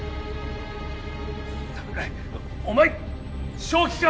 桜井お前正気か！？